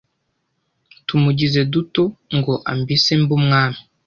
tumugize dute ngo ambise mbe umwami